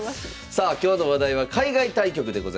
さあ今日の話題は海外対局でございます。